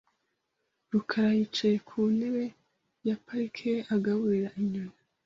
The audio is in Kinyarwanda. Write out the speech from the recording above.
rukara yicaye ku ntebe ya parike agaburira inyoni .